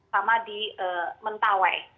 sama di mentawai